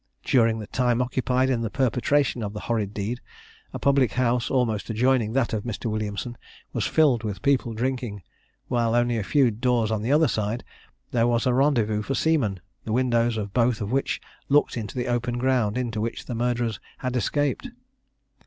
During the time occupied in the perpetration of the horrid deed, a public house, almost adjoining that of Mr. Williamson, was filled with people drinking, while only a few doors on the other side, there was a rendezvous for seamen, the windows of both of which looked into the open ground into which the murderers had escaped.